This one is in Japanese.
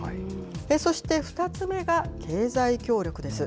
そして２つ目が経済協力です。